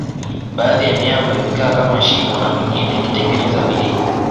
baadhi ya miamba imekaa kama shimo na mingine ikitengeneza vilima